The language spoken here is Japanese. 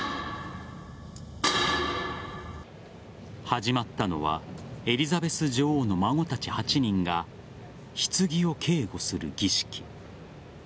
始まったのはエリザベス女王の孫たち８人が棺を警護する儀式。